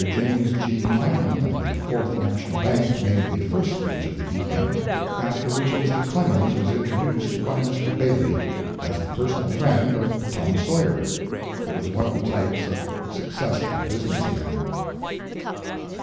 James G. Cannon, of the Fourth National Bank, made the first speech of the evening, after which Mr. Clemens was introduced by Mr. Bailey as the personal friend of Tom Sawyer, who was one of the types of successful business men.